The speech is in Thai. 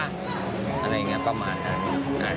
อะไรอย่างนี้ประมาณนั้น